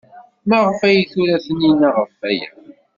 Maɣef ay tura Taninna ɣef waya?